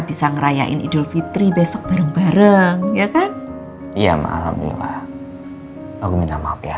bisa ngerayain idul fitri besok bareng bareng ya kan ya alhamdulillah aku minta maaf ya